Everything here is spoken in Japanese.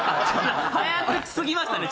早口すぎましたね